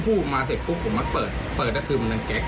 ออกมาเสร็จปุ๊บผมมาเปิดเปิดก็คือมันดังแก๊ก